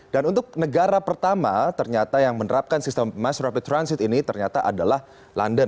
dan untuk negara pertama ternyata yang menerapkan sistem mass rapid transit ini ternyata adalah london